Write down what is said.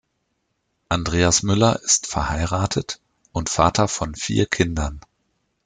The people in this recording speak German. Andreas Müller ist verheiratet und Vater von vier Kindern.